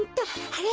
あれ？